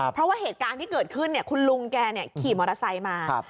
เพราะว่าเหตุการณ์ที่เกิดขึ้นคุณลุงแกขี่มอเตอร์ไซค์มา